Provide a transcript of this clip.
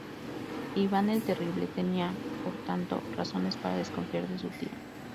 Iván el Terrible tenía, por tanto, razones para desconfiar de su tía.